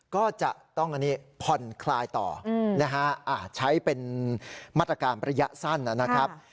ก็จะต้องอันนี้ผ่อนคลายต่อนะฮะใช้เป็นมาตรการระยะสั้นนะครับ